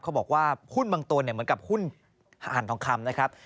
เขาบอกว่าหุ้นบางตัวเนี่ยเหมือนกับหุ้นอาหารทองคำนะครับ